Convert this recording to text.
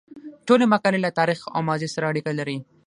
ټولې مقالې له تاریخ او ماضي سره اړیکه لري.